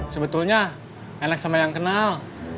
sebetulnya enak sama yang kenal